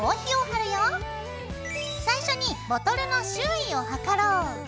最初にボトルの周囲を測ろう。